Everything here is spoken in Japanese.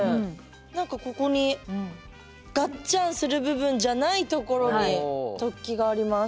何かここにガッチャンする部分じゃないところに突起があります。